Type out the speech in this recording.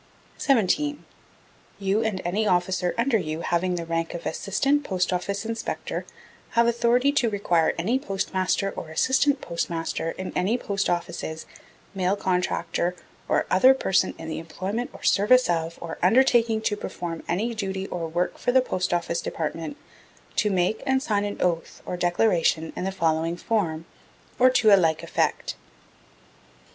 17. You and any officer under you having the rank of Assistant P.O. Inspector, have authority to require any Postmaster or Assistant Postmaster in any Post Offices, Mail Contractor or other person in the employment or service of, or undertaking to perform any duty or work for the Post Office Department, to make and sign an oath or declaration in the following form, or to a like effect.